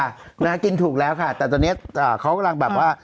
นะฮะกินถูกแล้วค่ะแต่ตอนนี้เขากำลังแบบว่า